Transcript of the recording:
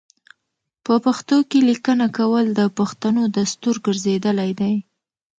په پښتو کې لیکنه کول د پښتنو دستور ګرځیدلی دی.